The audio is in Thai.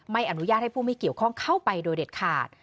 ไม่อนุญาตให้ผู้ไม่เกี่ยวข้องเข้าไปโดยเด็ดขาด